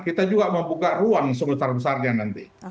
kita juga membuka ruang sebesar besarnya nanti